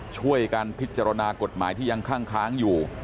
ช่วยการพิจารณากฎหมายที่ยังข้างอยู่